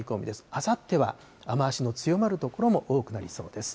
あさっては雨足の強まる所も多くなりそうです。